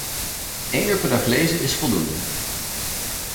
Eén uur per dag lezen is voldoende.